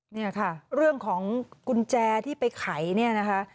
เนี่ยค่ะเรื่องของกุญแจที่ไปไขเนี่ยนะคะ